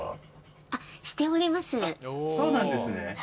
そうなんですね。